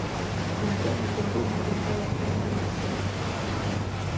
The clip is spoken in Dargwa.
Илдани залумти детаэс кьасбирули сари.